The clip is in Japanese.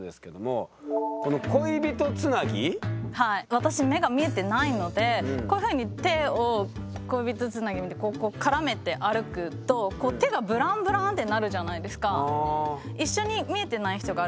私目が見えてないのでこういうふうに手を恋人つなぎみたいにこう絡めて歩くとこう手がブランブランってなるじゃないですか。